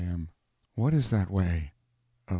M. What is that way? O.